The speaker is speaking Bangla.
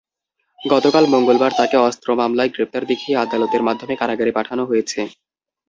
গতকাল মঙ্গলবার তাঁকে অস্ত্র মামলায় গ্রেপ্তার দেখিয়ে আদালতের মাধ্যমে কারাগারে পাঠানো হয়েছে।